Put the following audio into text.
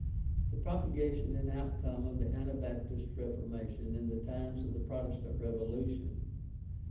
The propagation and outcome of the Anabaptist Refor mation in the times of the Protestant revolution.